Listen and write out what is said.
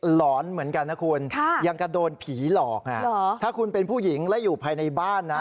หลอนเหมือนกันนะคุณยังกระโดนผีหลอกถ้าคุณเป็นผู้หญิงแล้วอยู่ภายในบ้านนะ